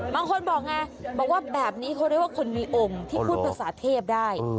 บางคนบอกไงบอกว่าแบบนี้เขาเรียกว่าคนมีองค์ที่พูดภาษาเทพได้